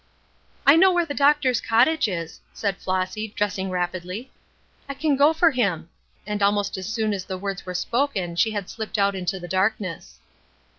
"I know where the doctor's cottage is," said Flossy, dressing rapidly. "I can go for him." And almost as soon as the words were spoken she had slipped out into the darkness.